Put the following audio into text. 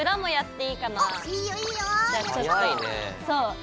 そう。